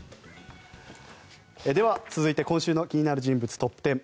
では、続いて今週の気になる人物トップ１０。